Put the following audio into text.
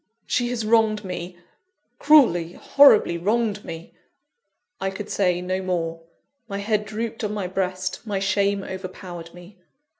"She has wronged me cruelly, horribly, wronged me " I could say no more. My head drooped on my breast; my shame overpowered me.